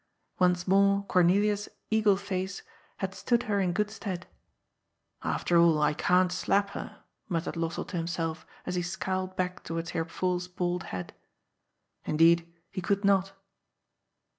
Once more Cornelia's eagle face had stood her in good stead. ^* After all, I can't slap her," muttered Lossell to himself, as he scowled back towards Herr Pfuhl's bald head. Indeed, he could not.